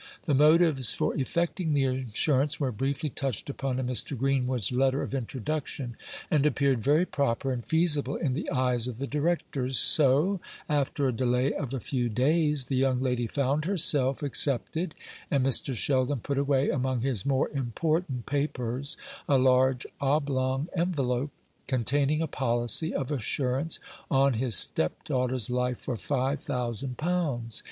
The motives for effecting the insurance were briefly touched upon in Mr. Greenwood's letter of introduction, and appeared very proper and feasible in the eyes of the directors; so, after a delay of a few days, the young lady found herself accepted, and Mr. Sheldon put away among his more important papers a large oblong envelope, containing a policy of assurance on his stepdaughter's life for five thousand pounds.